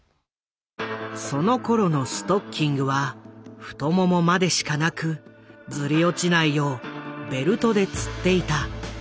そのころのストッキングは太ももまでしかなくずり落ちないようベルトでつっていた。